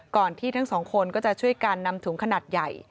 ก่อนที่ทั้ง๒คนก็จะช่วยการนำถุงขนาดใหญ่